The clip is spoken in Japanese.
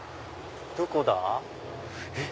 どこだ？